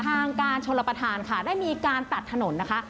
ทางการชนรับประทานค่ะได้มีการตัดถนนนะคะ